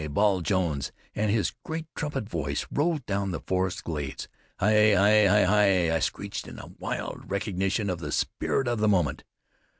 bawled Jones, and his great trumpet voice rolled down the forest glades. "Hi! Hi! Hi! Hi!" I screeched, in wild recognition of the spirit of the moment.